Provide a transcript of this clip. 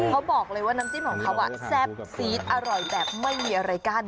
เขาบอกเลยว่าน้ำจิ้มของเขาแซ่บซีดอร่อยแบบไม่มีอะไรกั้น